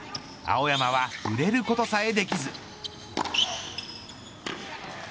青山は触れることさえできず。